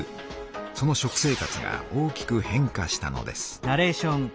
その食生活が大きく変化したのです。